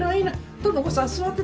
智子さん座ってて。